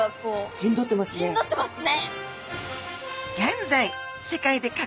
陣取ってますね。